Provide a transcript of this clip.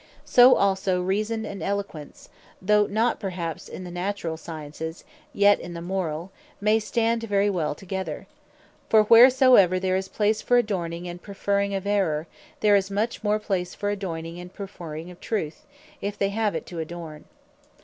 So also Reason, and Eloquence, (though not perhaps in the Naturall Sciences, yet in the Morall) may stand very well together. For wheresoever there is place for adorning and preferring of Errour, there is much more place for adorning and preferring of Truth, if they have it to adorn.